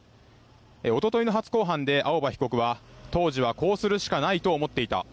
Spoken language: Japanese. おとといの初公判で青葉被告は当時はこうするしかないと思っていた